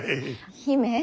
姫。